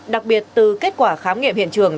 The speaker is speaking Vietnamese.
đặc biệt từ kết quả khám nghiệm hiện trường